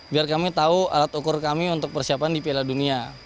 biar kami tahu alat ukur kami untuk persiapan di piala dunia